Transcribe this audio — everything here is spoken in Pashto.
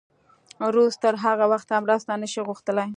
روس تر هغه وخته مرسته نه شي غوښتلی.